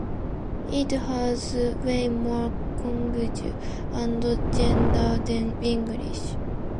It has way more conjugation and gender than English